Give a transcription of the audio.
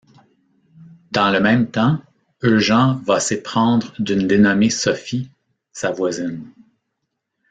Dans le même temps, Eugen va s'éprendre d'une dénommée Sophie, sa voisine.